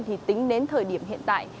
thì tính đến thời điểm hiện tại